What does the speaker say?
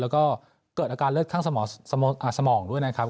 แล้วก็เกิดอาการเลือดข้างสมองด้วยนะครับ